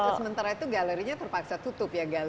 sementara itu galerinya terpaksa tutup ya